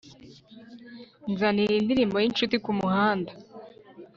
nzanira indirimbo y'inshuti kumuhanda